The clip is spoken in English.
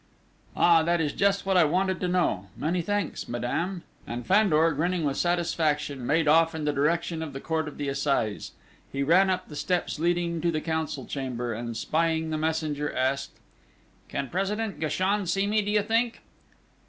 "Ah! That is just what I wanted to know! Many thanks, madame," and Fandor, grinning with satisfaction, made off in the direction of the Court of Assizes. He ran up the steps leading to the Council Chamber, and spying the messenger asked: "Can President Guéchand see me, do you think?"